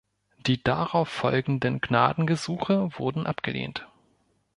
Die darauf folgenden Gnadengesuche wurden abgelehnt.